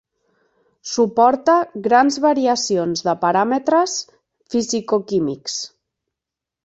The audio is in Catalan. Suporta grans variacions de paràmetres fisicoquímics.